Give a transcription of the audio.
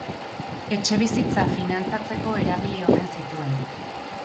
Etxebizitza finantzatzeko erabili omen zituen.